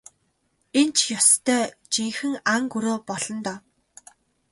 Энэ ч ёстой жинхэнэ ан гөрөө болно доо.